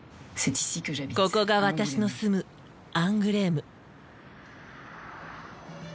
ここが私の住むアングレーム。